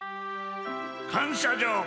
「かんしゃじょう。